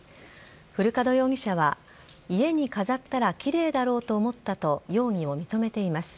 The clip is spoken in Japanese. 古門容疑者は、家に飾ったらきれいだろうと思ったと容疑を認めています。